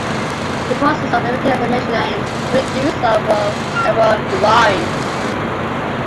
The process of limited animation aims to reduce the overall number of drawings.